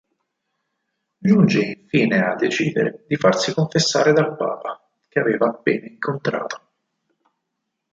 Giunge infine a decidere di farsi confessare dal papa, che aveva appena incontrato.